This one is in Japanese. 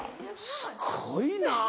すごいな。